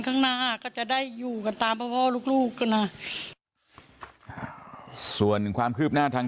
ข้างหน้าก็จะได้อยู่กันตามพ่อพ่อลูกลูกก็นะส่วนความคืบหน้าทาง